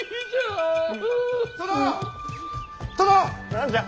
何じゃ？